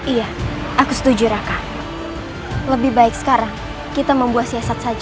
iya aku setuju raka lebih baik sekarang kita membuat siasat saja